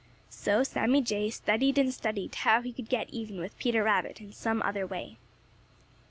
So Sammy Jay studied and studied how he could get even with Peter Rabbit in some other way.